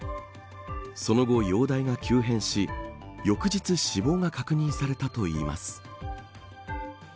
その後、容体が急変し翌日死亡が確認されたといいます。